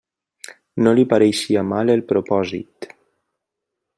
No li pareixia mal el propòsit.